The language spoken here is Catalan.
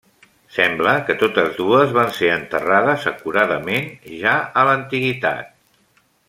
Sembla que totes dues van ser enterrades acuradament ja a l'antiguitat.